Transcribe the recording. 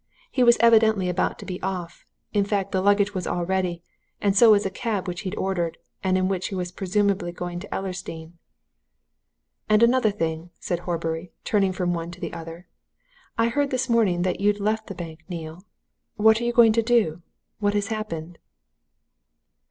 He was evidently about to be off; in fact, the luggage was all ready, and so was a cab which he'd ordered, and in which he was presumably going to Ellersdeane." "And another thing," said Horbury, turning from one to the other, "I heard this morning that you'd left the Bank, Neale. What are you going to do? What has happened?"